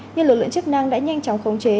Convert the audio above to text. nhưng lực lượng chức năng đã nhanh chóng khống chế